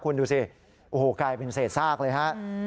คุณดูสิโอ้โหกลายเป็นเศษซากเลยฮะ